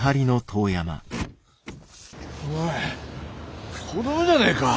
お前子どもじゃねえか。